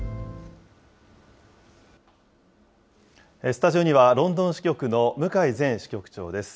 スタジオにはロンドン支局の向井前支局長です。